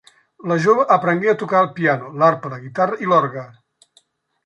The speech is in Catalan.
La jove aprengué a tocar el piano, l'arpa, la guitarra i l'orgue.